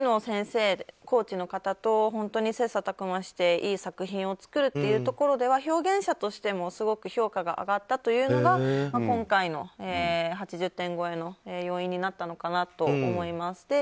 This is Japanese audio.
そこが振付師の先生コーチの方と本当に切磋琢磨していい作品を作るというところでは表現者としてもすごく評価が上がったというのが今回の８０点超えの要因になったのかなと思います。